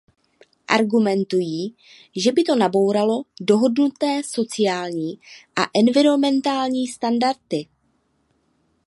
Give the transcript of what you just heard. Argumentují, že by to nabouralo dohodnuté sociální a environmentální standardy.